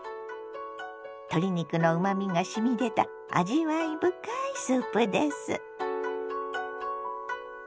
鶏肉のうまみがしみ出た味わい深いスープです。